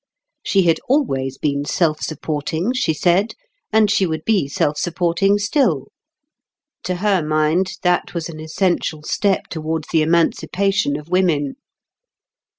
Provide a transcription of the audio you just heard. She had always been self supporting, she said, and she would be self supporting still. To her mind, that was an essential step towards the emancipation of women.